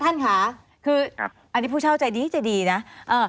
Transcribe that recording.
ท่านขาคืออันนี้ผู้เช่าใจดีนะอ่า